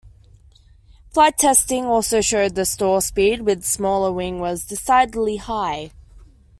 Flight testing also showed the stall speed with the smaller wing was decidedly high.